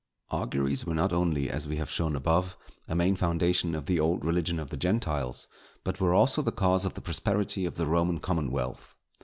_ Auguries were not only, as we have shown above, a main foundation of the old religion of the Gentiles, but were also the cause of the prosperity of the Roman commonwealth.